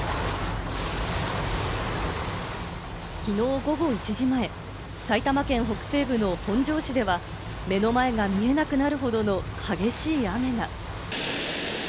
きのう午後１時前、埼玉県北西部の本庄市では、目の前が見えなくなるほどの激しい雨が。